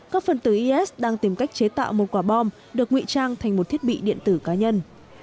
các phần tử is đang tìm cách chế tạo một quả bom được nguy trang thành một thiết bị điện tử cá nhân